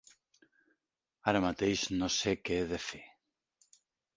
Ara mateix no sé què he de fer.